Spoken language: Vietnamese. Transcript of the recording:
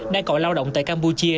đang cậu lao động tại campuchia